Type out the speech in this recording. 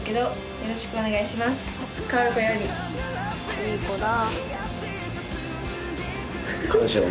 いい子だ。